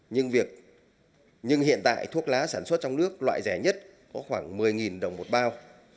nhưng hiện tại thuốc lá sản xuất trong nước loại rẻ nhất có khoảng một mươi đồng một bao